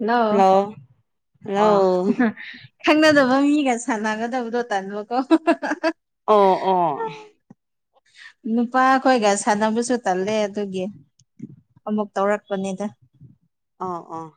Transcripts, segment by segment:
hello ꯑꯣ hello ꯈꯪꯅꯗꯕ ꯃꯤꯒꯁꯨ ꯁꯥꯟꯅꯒꯗꯕꯗꯣ ꯇꯥꯟꯕꯀꯣ ꯑꯣ ꯑꯣ ꯅꯨꯄꯥ ꯈꯣꯏꯒ ꯁꯥꯟꯅꯕꯁꯨ ꯇꯜꯂꯦ ꯑꯗꯨꯒꯤ ꯑꯃꯨꯛ ꯇꯧꯔꯛꯄꯅꯤꯗ ꯑꯣ ꯑꯣ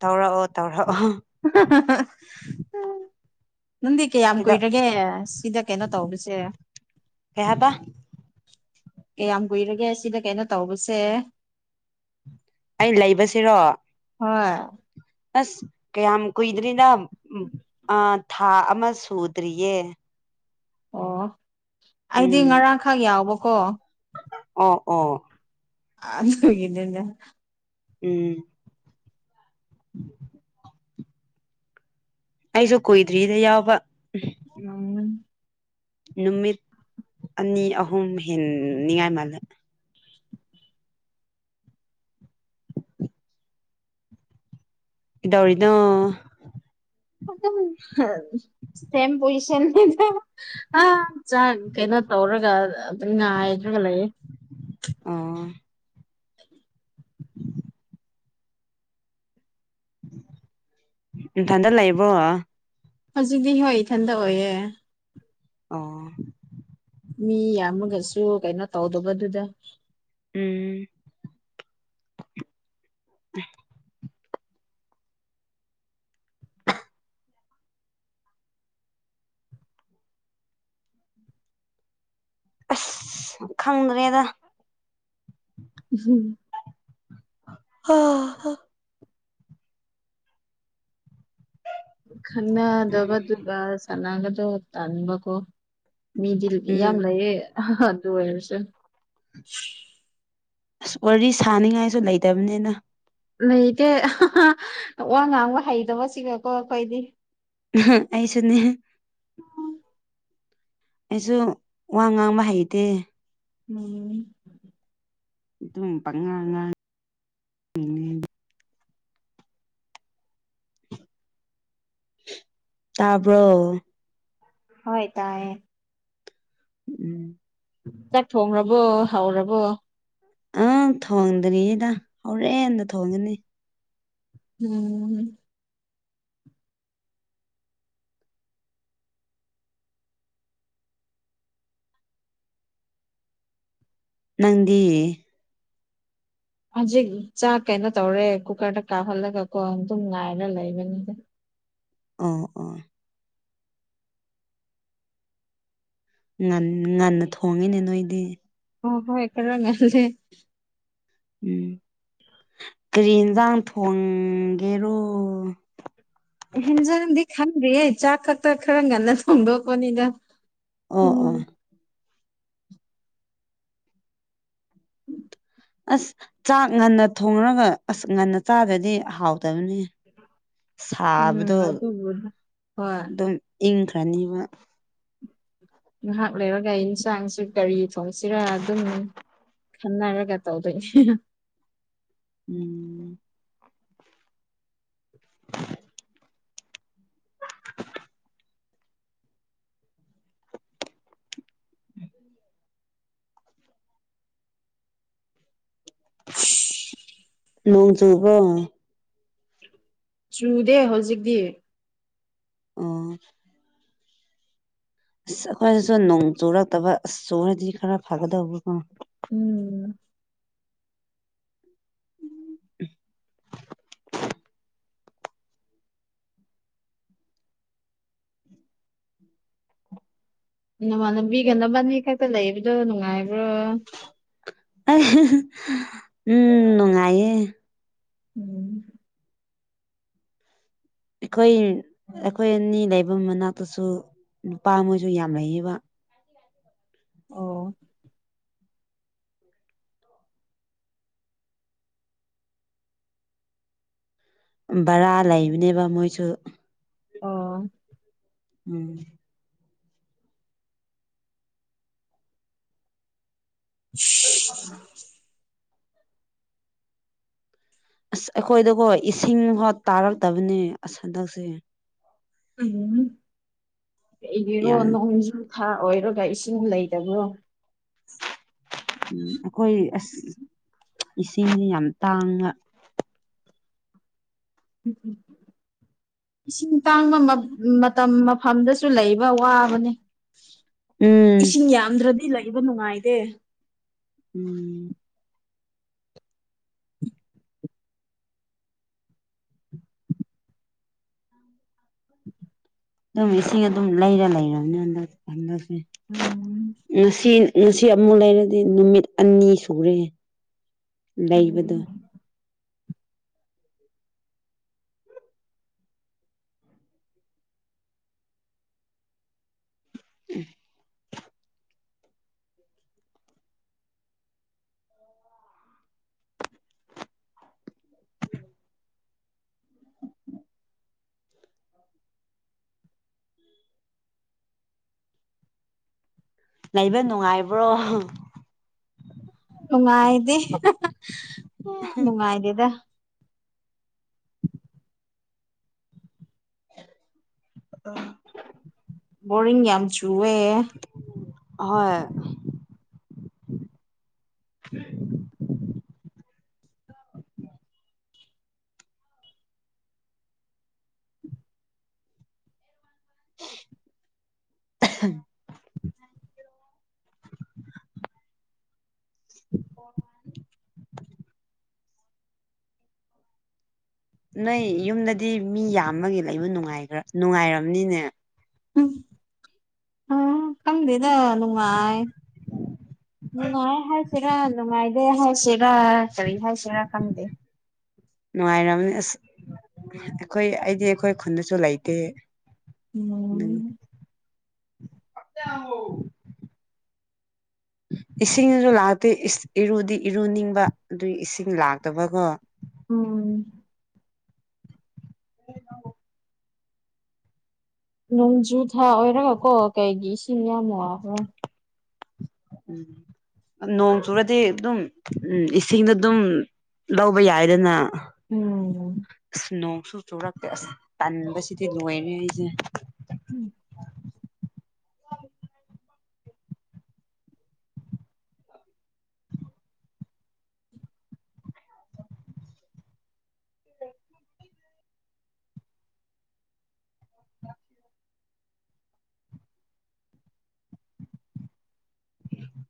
ꯇꯧꯔꯛꯑꯣ ꯇꯧꯔꯛꯑꯣ [unintelligible] ꯅꯪꯗꯤ ꯀꯌꯥꯝ ꯀꯩꯗ ꯀꯨꯏꯔꯒꯦ ꯁꯤꯗ ꯀꯩꯅꯣ ꯇꯧꯔꯤꯁꯦ ꯕꯥ ꯀꯌꯥꯝ ꯀꯨꯏꯔꯒꯦ ꯁꯤꯅ ꯀꯩꯅꯣ ꯇꯧꯕꯁꯦ ꯑꯩ ꯂꯩꯕꯁꯤꯔꯣ ꯍꯣꯏ ꯑꯁ ꯀꯩ ꯌꯥꯝꯝ ꯀꯣꯏ ꯏꯗꯔꯤꯗꯥ ꯑ ꯊꯥ ꯑꯃ ꯁꯨꯗ꯭ꯔꯤꯌꯦ ꯑꯣ ꯑꯩꯗꯤ ꯎꯝ ꯉꯔꯥꯡꯈꯛ ꯌꯥꯎꯕꯀꯣ ꯑꯣ ꯑꯣ ꯑꯒꯗꯦꯅꯦ ꯎꯝ ꯑꯩꯁꯨ ꯀꯨꯏꯗ꯭ꯔꯤꯗ ꯌꯥꯎꯕ ꯎꯝ ꯅꯨꯃꯤꯠ ꯑꯅꯤ ꯑꯍꯨꯝ ꯍꯦꯟꯅꯤꯉꯥꯏ ꯃꯥꯜꯂꯦ ꯏ ꯍꯧꯔꯤꯗ ꯄꯣꯖꯤꯁꯟ ꯆ ꯀꯩꯅꯣ ꯇꯧꯔꯒ ꯑꯗꯨ ꯉ ꯍꯥꯏꯗ꯭ꯔꯒ ꯂꯩꯌꯦ ꯑꯣ ꯎꯝ ꯎ ꯊꯟꯗ ꯂꯩ ꯂꯩꯕ꯭ꯔꯣ ꯍꯧꯖꯤꯛꯇꯤ ꯍꯣꯏ ꯏꯊꯟꯗ ꯑꯣꯏꯌꯦꯦ ꯑꯣ ꯃꯤ ꯌꯥꯝꯃꯒꯁꯨ ꯀꯩꯅꯣ ꯇꯧꯗꯕꯗꯨꯗ ꯎꯝ [unintelligible] ꯑꯁ ꯈꯪꯗ꯭ꯔꯦꯗ ꯍꯝ ꯑ ꯈꯟꯅꯗꯕꯗꯨꯒ ꯆꯅꯥꯒꯗꯣ ꯇꯥꯟꯕꯕꯀꯣ ꯃꯤꯗꯤ ꯌꯥꯝ ꯂꯩꯌꯦ ꯑꯗꯨ ꯑꯣꯏꯔꯁꯨꯦ ꯑꯁ ꯋꯥꯔꯤ ꯁꯥꯅꯤꯡꯉꯥꯏꯁꯨ ꯂꯩꯇꯕꯅꯤꯅ ꯂꯩꯇꯦ ꯋꯥ ꯉꯥꯡꯕ ꯍꯩꯗꯕ ꯁꯤꯒꯀꯣ ꯑꯩꯈꯣꯏꯗꯤ ꯑꯩꯁꯨ ꯅ ꯍꯝ ꯑꯩꯁꯨ ꯋꯥ ꯉꯥꯡꯕ ꯍꯩꯇꯦ ꯎꯝ ꯑꯗꯨꯝ ꯄꯉꯥꯡꯉꯥꯡ ꯇꯥꯕ꯭ꯔꯣ ꯍꯣꯏ ꯇꯑ ꯎꯝ ꯆꯥꯛ ꯊꯣꯡꯔꯕꯣ ꯍꯥꯎꯔꯕꯣ ꯑꯪ ꯊꯣꯡꯗ꯭ꯔꯤꯗ ꯍꯣꯔꯦꯟꯗ ꯊꯣꯡꯉꯅꯤ ꯎꯝ ꯅꯗꯤꯌꯦ ꯍꯧꯖꯤꯛ ꯆꯥꯛ ꯀꯩꯅꯣ ꯇꯧꯔꯦ ꯀꯨꯀꯔꯗ ꯀꯥꯞꯍꯜꯂꯒ ꯀꯣ ꯑꯗꯨꯝ ꯉꯥꯏꯔ ꯂꯩꯕꯅꯤꯗ ꯑꯣ ꯑꯣ ꯉ ꯉꯟꯅ ꯊꯣꯡꯉꯤꯅꯦ ꯅꯣꯏꯗꯤ ꯑ ꯍꯣꯏ ꯀꯔꯂꯦ ꯎꯝ ꯀꯔꯤ ꯌꯦꯟꯁꯥꯡ ꯊꯣꯡꯒꯦꯔꯣ ꯈꯪꯗꯦꯌꯦ ꯆꯥꯛ ꯈꯛꯇ ꯈꯔ ꯉꯟꯅ ꯊꯣꯡꯗꯣꯛꯀꯣꯅꯤꯅ ꯑꯣ ꯑꯣ ꯎꯝ ꯑꯁ ꯆꯥꯛ ꯉꯟꯅ ꯊꯣꯡꯔꯒ ꯑꯁ ꯉꯟꯅ ꯆꯥꯗ꯭ꯔꯗꯤ ꯍꯥꯎꯗꯕꯅꯤ ꯎꯝ ꯁꯥꯕꯗꯣ ꯑꯗꯨꯕꯨꯗꯤ ꯍꯣꯏ ꯑꯗꯨꯝ ꯏꯪꯈ꯭ꯔꯅꯤꯕ ꯉꯍꯥꯛ ꯂꯩꯔꯒ ꯌꯦꯟꯁꯥꯡꯁꯨ ꯀꯒꯥꯔꯤ ꯐꯣꯡꯁꯤꯔꯥ ꯑꯗꯨꯝ ꯈꯟꯗꯥꯔꯒ ꯇꯧꯗꯣꯏꯁꯤ ꯎꯝ [inaudible] ꯎꯝ [inaudible] ꯂꯣꯡꯣꯡ ꯆꯣꯡꯀꯣ ꯆꯨꯗꯦ ꯍꯧꯖꯤꯛꯇꯤ ꯑꯣ ꯑꯁ ꯑꯩꯈꯣꯏꯗꯁꯨ ꯅꯣꯡ ꯆꯨꯔꯛꯇꯕ ꯑꯁ ꯆꯨꯔꯗꯤ ꯈꯔ ꯐꯒꯗꯧꯕꯀꯣ ꯎꯝ ꯎꯝ ꯅꯃꯥꯟ ꯂꯝꯕꯤꯒꯅꯕꯅꯤ ꯈꯛꯇ ꯂꯩꯕꯗꯣ ꯅꯨꯡꯉꯥꯏꯕ꯭ꯔꯣ ꯎꯝ ꯅꯨꯡꯉꯥꯏꯌꯦ ꯎꯝ ꯑꯩꯈꯣꯏ ꯑꯩꯈꯣꯏ ꯑꯅꯤ ꯂꯩꯕ ꯃꯅꯥꯛꯇꯁꯨ ꯅꯨꯄꯥ ꯃꯣꯏꯁꯨ ꯌꯥꯝ ꯂꯩꯌꯦꯕ ꯑꯣ ꯕꯔꯥ ꯂꯩꯕꯅꯦꯕ ꯃꯣꯏꯁꯨ ꯑꯥ ꯎꯝ [inaudible] ꯑꯁ ꯑꯩꯈꯣꯏꯗꯀꯣ ꯏꯁꯤꯡ ꯍꯣ ꯇꯥꯔꯛꯇꯕꯅꯦ ꯑꯁ ꯍꯟꯗꯛꯁꯦ ꯎꯝ ꯀꯩꯔꯣ ꯌꯥꯝ ꯊꯥ ꯑꯣꯏꯔꯒ ꯏꯁꯤꯡ ꯂꯩꯇꯕ꯭ꯔꯣ ꯎꯝ ꯑꯩꯈꯣꯏ ꯑꯁ ꯏꯁꯤꯡꯁꯦ ꯌꯥꯝ ꯇꯥꯡꯅ ꯎ ꯎ ꯏꯁꯤꯡ ꯇꯥꯡꯕ ꯃꯇꯝ ꯃꯐꯝꯗꯁꯨ ꯂꯩꯕ ꯋꯥꯕꯅꯦ ꯎꯝ ꯏꯁꯤꯡ ꯌꯥꯝꯗ꯭ꯔꯗꯤ ꯏꯜꯂꯛꯏꯕ ꯅꯨꯡꯉꯥꯏꯗꯦ ꯎꯝ ꯑꯗꯨꯝ ꯏꯁꯤꯡ ꯑꯗꯨꯝ ꯂꯩꯔ ꯂꯩꯔꯕꯅꯤ ꯍꯟꯗ ꯈꯟꯗꯁꯦ ꯎꯝ ꯉꯁꯤ ꯉꯁꯤ ꯑꯃꯨꯛ ꯂꯩꯔꯗꯤ ꯅꯨꯃꯤꯠ ꯑꯅꯤ ꯁꯨꯔꯦ ꯂꯩꯕꯗꯣ ꯎꯝ ꯎꯝ ꯂꯩꯕ ꯅꯨꯡꯉꯥꯏꯕ꯭ꯔꯣ ꯅꯨꯡꯉꯥꯏꯗꯦ ꯅꯨꯡꯉꯥꯏꯗꯦꯗ ꯑ ꯣꯔꯤꯡ ꯌꯥꯝ ꯌꯥꯝ ꯆꯨꯋ ꯍꯣꯏ [inaudible] [inaudible] ꯍ ꯋꯥ ꯅꯣꯏ ꯌꯨꯝꯗꯗꯤ ꯃꯤ ꯌꯥꯝꯃꯒ ꯂꯩꯕꯅꯨꯡꯉꯥꯏ ꯅꯨꯡꯉꯥꯏꯔꯕꯅꯤꯅꯦ ꯎꯝ ꯑ ꯀꯝꯗꯦ ꯑ ꯅꯨꯡꯉꯥꯏ ꯅꯨꯡꯉꯥꯏ ꯍꯥꯏꯁꯤꯔꯥ ꯅꯨꯡꯉꯥꯏ ꯀ ꯍꯥꯏ ꯁꯦꯔ ꯀꯔꯤ ꯍꯥꯏ ꯁꯦꯔ ꯀꯟꯗꯦ ꯅꯨꯡꯉꯥꯏꯔꯕꯅꯤ ꯑꯁ ꯑꯩꯈꯣꯏ ꯑꯩꯗꯤ ꯑꯩꯈꯣꯏ ꯈꯨꯟꯗꯁꯨ ꯂꯩꯇꯦ ꯎꯝ ꯆꯥ ꯑꯣ ꯏꯁꯤꯡꯖꯨ ꯂꯥꯛꯇꯦ ꯏꯁ ꯏꯔꯨꯗꯤ ꯏꯔꯨꯅꯤꯡꯕ ꯑꯗꯨꯏ ꯏꯁꯤꯡ ꯂꯥꯛꯇꯕꯀꯣ ꯎꯝ [inaudible] ꯅꯣꯡꯖꯨ ꯊꯥ ꯑꯣꯏꯔꯒ ꯀꯣ ꯀꯩꯒꯤ ꯏꯁꯤꯡ ꯌꯥꯝ ꯋꯥꯕ꯭ꯔꯥ ꯎꯝ ꯅꯣꯡ ꯆꯨꯔꯗꯤ ꯑꯗꯨꯝ ꯎꯝ ꯏꯁꯤꯡꯗ ꯑꯗꯨꯝ ꯂꯧꯕ ꯌꯥꯏꯗꯅ ꯎꯝ ꯁꯨ ꯁꯨꯔꯛꯇꯦ ꯑꯁ ꯇꯟꯕꯁꯤꯗꯤ ꯂꯣꯏꯔꯦ ꯑꯩꯁꯦ ꯎꯝ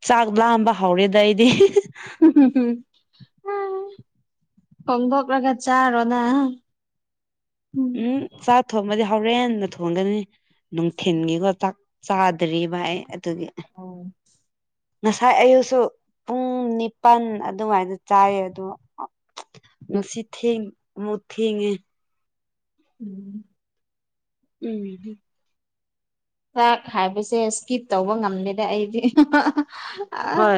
ꯆꯥꯛ ꯂꯥꯝꯕ ꯍꯧꯔꯦꯗ ꯑꯩꯗꯤ [unintelligible] ꯎꯝ ꯊꯣꯡꯗꯣꯛꯂꯒ ꯆꯥꯔꯣꯅ ꯎꯝ ꯆꯥꯛ ꯊꯣꯡꯉꯗꯤ ꯍꯧꯔꯦꯟꯅ ꯊꯣꯡꯒꯅꯤ ꯅꯨꯡꯊꯤꯟꯒꯤꯀꯣ ꯆꯥꯛ ꯆꯥꯗ꯭ꯔꯤꯕ ꯑꯩ ꯑꯗꯨꯒꯤ ꯑꯣ ꯉꯁꯥꯏ ꯑꯌꯨꯛꯁꯨ ꯄꯨꯡ ꯅꯤꯄꯥꯟ ꯑꯗꯨꯋꯥꯏꯗ ꯆꯥꯏꯌꯦ ꯑꯗꯣ ꯉꯁꯤ ꯊꯦꯡꯕꯨ ꯊꯦꯡꯉꯦ ꯎꯝ ꯎꯝꯍꯝ ꯆꯥꯛ ꯍꯥꯏꯕꯁꯦ ꯏꯁꯀꯤꯞ ꯇꯧꯕ ꯉꯝꯗꯦꯗ ꯑꯩꯗꯤ ꯑ ꯍꯣꯏ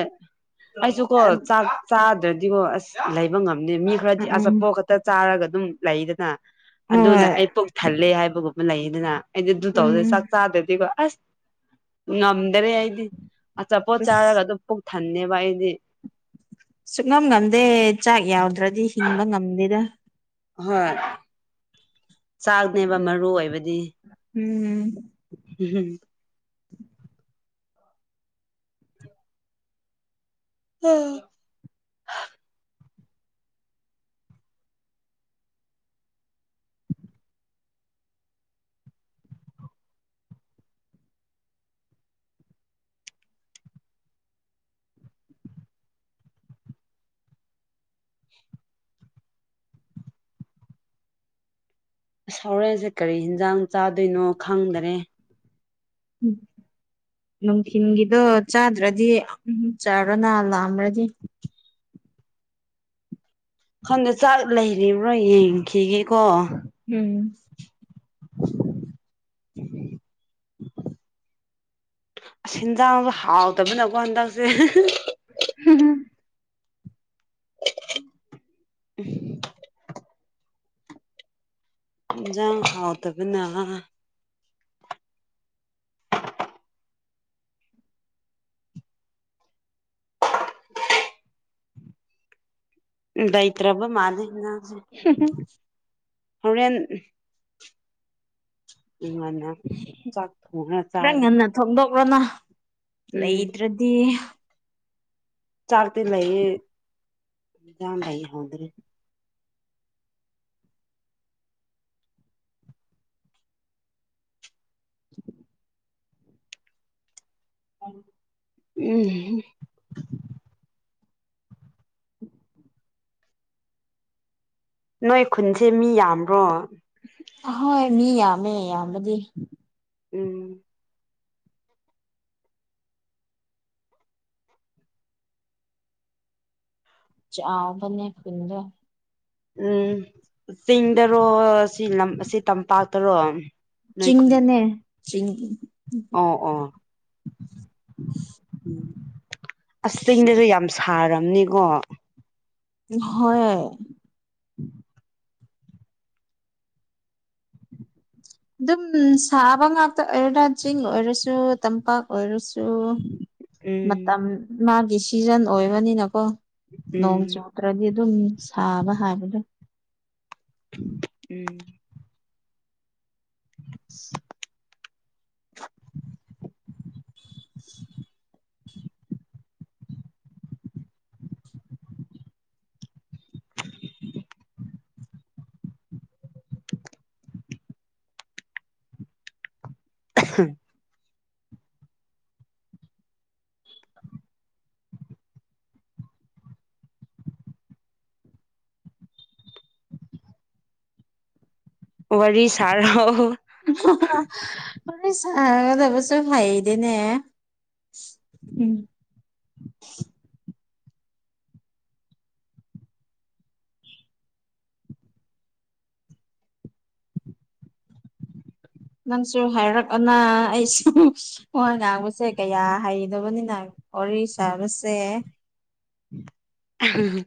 ꯑꯩꯁꯨ ꯀꯣ ꯎꯝ ꯆꯥꯛ ꯆꯥꯗ꯭ꯔꯗꯤꯀꯣ ꯑꯁ ꯂꯩꯕ ꯉꯝ ꯅꯤ ꯃꯤ ꯈꯔꯗꯤ ꯎꯝ ꯑꯆꯥꯄꯣꯠ ꯈꯠꯇ ꯆꯥꯔꯒ ꯑꯗꯨꯝ ꯂꯩꯗꯅ ꯑꯗꯨꯅ ꯍꯣꯏ ꯑꯩ ꯄꯨꯛ ꯊꯜꯂꯦ ꯍꯥꯏꯕꯒꯨꯝ ꯃꯂꯩꯗꯅ ꯑꯩꯗꯤ ꯑꯗꯨ ꯇꯧꯗ ꯆꯥꯛ ꯎꯝ ꯆꯥꯗ꯭ꯔꯗꯤꯕ ꯑꯁ ꯉꯝ ꯗꯔꯦ ꯑꯩꯗꯤ ꯑꯆꯥꯄꯣꯠ ꯑꯁ ꯆꯥꯔꯒ ꯑꯗꯨꯝ ꯄꯨꯛ ꯊꯟꯅꯦꯕ ꯑꯩꯗꯤ ꯁꯨꯅꯝ ꯉꯝꯗꯦ ꯆꯥꯛ ꯌꯥꯎꯗ꯭ꯔꯗꯤ ꯍꯤꯡꯕ ꯉꯝꯗꯦꯗ ꯍꯣꯏ ꯆꯥꯛꯅꯦꯕ ꯃꯔꯨ ꯑꯣꯏꯕꯗꯤ ꯎꯝ ꯎꯝ ꯎꯝ ꯁꯥꯎꯔꯦꯟꯁꯦ ꯀꯔꯤ ꯌꯦꯟꯖꯥꯡ ꯆꯥꯗꯣꯏꯅꯣ ꯈꯪꯗꯔꯦ ꯎꯝ ꯅꯨꯡꯊꯤꯜꯒꯤꯗꯣ ꯆꯥꯗ꯭ꯔꯗꯤ ꯆꯥꯔꯣꯅ ꯂꯥꯛꯑ꯭ꯔꯗꯤ ꯍꯟꯗ ꯆꯥꯛ ꯂꯩꯔꯤꯕ꯭ꯔꯣ ꯌꯦꯡꯈꯤꯒꯦ ꯀꯣ ꯎꯝ ꯑꯁ ꯍꯦꯟꯖꯥꯡꯁꯨꯣ ꯍꯥꯎꯗꯕꯅꯀꯣ ꯍꯟꯗꯛꯁꯦ ꯍꯝꯝ ꯖꯥꯎ ꯍꯥꯎꯗꯕꯨ ꯎ ꯂꯩꯇ꯭ꯔꯕ ꯃꯥꯜꯜꯂꯤꯦ ꯉꯟꯖꯥꯡꯁꯦ ꯍꯣꯔꯦꯟ ꯃꯅ ꯆ ꯊꯅ ꯆꯥꯔ ꯀꯅ ꯂꯩꯇ꯭ꯔꯗꯤ ꯆꯔꯇ ꯂꯩꯖ ꯂꯩ ꯍꯣꯗꯔꯦ [inaudible] ꯍ ꯎꯝ ꯎꯝ ꯅꯣꯏ ꯈꯨꯟꯁꯦ ꯃꯤ ꯌꯥꯝ꯭ꯔꯣ ꯍꯣꯏ ꯃꯤ ꯌꯥꯝꯃꯦ ꯌꯥꯝꯕꯗꯤ ꯎꯝ ꯑꯥꯕꯅꯤ ꯄꯨꯗꯣ ꯎꯝ ꯆꯤꯡꯗꯔꯣ ꯁꯤ ꯂꯝ ꯁꯤ ꯇꯝꯄꯥꯛꯇꯔꯣ ꯅꯣꯏ ꯈꯨꯟ ꯆꯤꯡꯗꯅꯦ ꯆꯤꯡꯗ ꯑꯣ ꯑꯣ ꯑꯁꯤꯡꯗꯁꯨ ꯌꯥꯝ ꯁꯥꯔꯝꯅꯤꯀꯣ ꯍꯣꯏ ꯎꯝ [unintelligible] ꯑꯗꯨꯝ ꯁꯥꯕ ꯉꯥꯛꯇ ꯑꯣꯏꯔꯦ ꯔ ꯆꯤꯡ ꯑꯣꯏꯔꯁꯨ ꯇꯝꯄꯥꯛ ꯑꯣꯏꯔꯁꯨ ꯎꯝ ꯃꯇꯝ ꯃꯥꯒꯤ ꯁꯤꯖꯟ ꯑꯣꯏꯕꯅꯤꯅꯀꯣ ꯅꯣꯡ ꯎꯝ ꯆꯨꯗ꯭ꯔꯗꯤ ꯑꯗꯨꯝ ꯁꯥꯕ ꯍꯥꯏꯕꯗꯣ ꯎꯝ [unintelligible] [unintelligible] ꯋꯥꯔꯤꯔꯤ ꯁꯥꯔ ꯎ ꯄꯨ ꯑꯗꯕꯁꯨ ꯍꯥꯏꯩꯗꯅꯦꯝ [unintelligible] ꯅꯪꯁꯨ ꯍꯥꯏꯔꯛꯑꯅ ꯑꯩꯁꯨ ꯃꯣꯏ ꯉꯥꯡꯕꯁꯦ ꯀꯌꯥ ꯍꯩꯗꯕꯅꯤꯅ ꯑꯣꯔꯤꯁꯥꯔꯁꯦ ꯎ